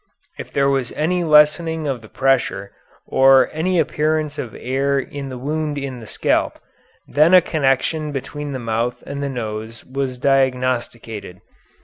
If there was any lessening of the pressure or any appearance of air in the wound in the scalp, then a connection between the mouth and nose was diagnosticated.